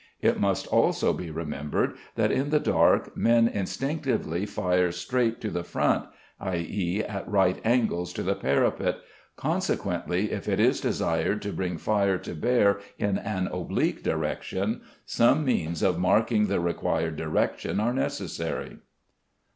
It must also be remembered that in the dark men instinctively fire straight to the front, i.e., at right angles to the parapet, consequently if it is desired to bring fire to bear in an oblique direction some means of marking the required direction are necessary.